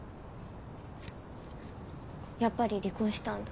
やっぱり離婚したんだ。